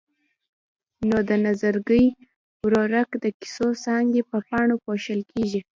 نو د نظرګي ورورک د کیسو څانګې په پاڼو پوښل کېږي.